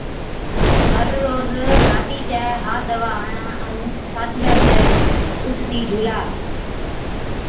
هر روز راتِي چَي ها دَوا هڻا ائُون ساجھرا چَي اُوٺتِي جھُولا۔